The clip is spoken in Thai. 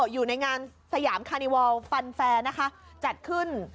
อยู่ในงานสยามคานิวอลฟันแฟร์นะคะจัดขึ้น